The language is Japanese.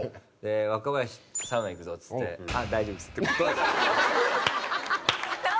「若林サウナ行くぞ」っつって「あっ大丈夫です」って断った。